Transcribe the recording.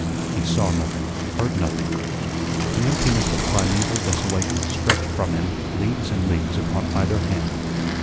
He saw nothing, heard nothing. The emptiness of primeval desolation stretched from him leagues and leagues upon either hand.